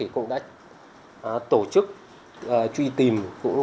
cũng đã tổ chức truy tìm